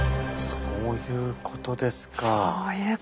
そういうことですか？